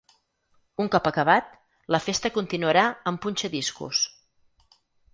Un cop acabat, la festa continuarà amb punxa-discos.